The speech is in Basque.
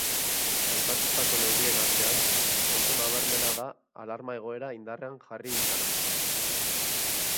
Aipatutako neurrien artean, oso nabarmena da alarma-egoera indarrean jarri izana.